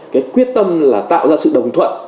cái quyết tâm là tạo ra sự đồng thuận